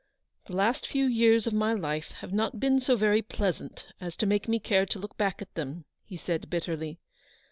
" The last few years of my life have not been so very pleasant as to make me care to look back at them/' he said, bitterly.